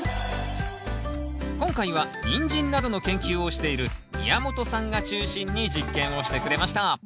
今回はニンジンなどの研究をしている宮本さんが中心に実験をしてくれました